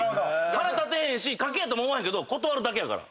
腹立ってへんし書けやとも思わへんけど断るだけやから。